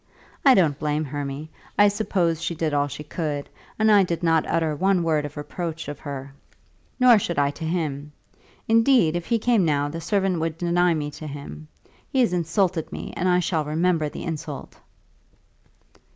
I don't blame Hermy. I suppose she did all she could, and I did not utter one word of reproach of her. Nor should I to him. Indeed, if he came now the servant would deny me to him. He has insulted me, and I shall remember the insult."